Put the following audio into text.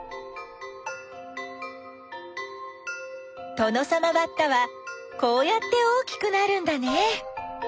トノサマバッタはこうやって大きくなるんだね。